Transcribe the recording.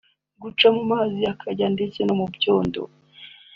guca mu mazi akonje ndetse no mu byondo